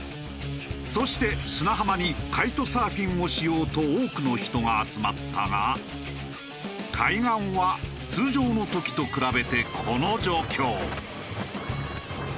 そして砂浜にカイトサーフィンをしようと多くの人が集まったが海岸は通常の時と比べてこの状況。